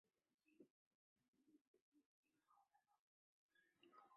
科罗阿杜斯是巴西圣保罗州的一个市镇。